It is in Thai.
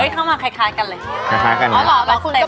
เข้ามาคล้ายกันแบบเนี้ย